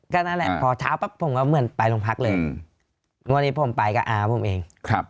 ก็นั่นแหละพอเช้าปั๊บผมก็เหมือนไปโรงพักเลยวันนี้ผมไปกับอาผมเอง